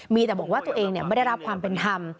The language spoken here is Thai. มีแต่บอกว่าตัวเองไม่ได้รับความเป็นธรรม